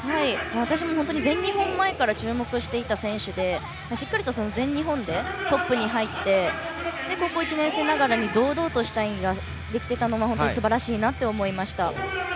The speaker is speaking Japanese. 私も全日本前から注目していた選手でしっかりと全日本でトップに入って高校１年生ながらに堂々とした演技ができていたのも本当にすばらしいなと思いました。